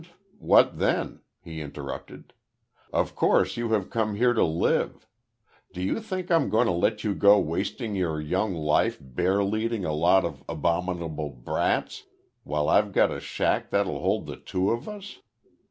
What then?" he interrupted. "Of course you have come here to live. Do you think I'm going to let you go wasting your young life bearleading a lot of abominable brats while I've got a shack that'll hold the two of us?